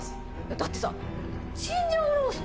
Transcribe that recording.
だってさ。